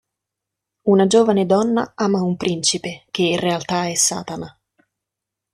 Una giovane donna ama un principe che, in realtà, è Satana.